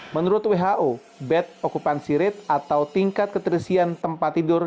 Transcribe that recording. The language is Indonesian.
menurut who bed occupancy rate atau tingkat keterisian tempat tidur